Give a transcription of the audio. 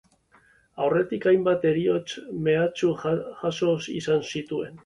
Aurretik hainbat heriotz mehatxu jaso izan zituen.